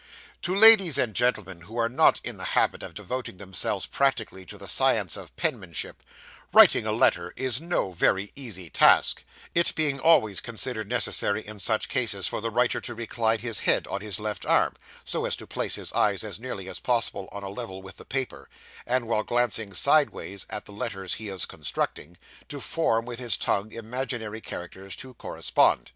To ladies and gentlemen who are not in the habit of devoting themselves practically to the science of penmanship, writing a letter is no very easy task; it being always considered necessary in such cases for the writer to recline his head on his left arm, so as to place his eyes as nearly as possible on a level with the paper, and, while glancing sideways at the letters he is constructing, to form with his tongue imaginary characters to correspond.